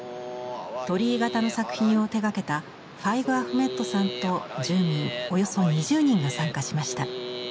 鳥居型の作品を手がけたファイグ・アフメッドさんと住民およそ２０人が参加しました。